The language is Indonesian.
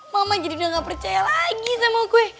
mama jadi udah gak percaya lagi sama gue